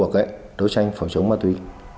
vào cuộc đấu tranh phòng chống ma túy